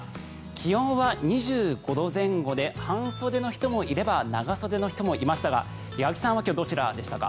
気温は２５度前後で半袖の人もいれば長袖の人もいましたが八木さんは今日どちらでしたか？